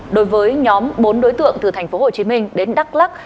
đối với nhóm bốn đối tượng từ thành phố hồ chí minh đến đắk lắc